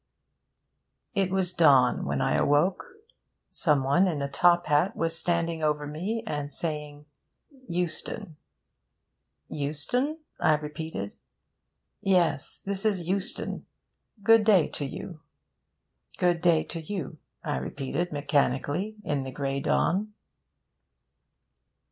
It was dawn when I awoke. Some one in a top hat was standing over me and saying 'Euston.' 'Euston?' I repeated. 'Yes, this is Euston. Good day to you.' 'Good day to you,' I repeated mechanically, in the grey dawn.